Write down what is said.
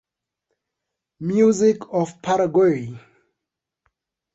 Music of Paraguay